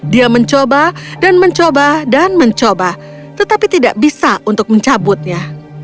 dia mencoba dan mencoba dan mencoba tetapi tidak bisa untuk mencabutnya